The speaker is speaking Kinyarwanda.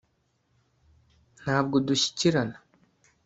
ntabwo dushyikirana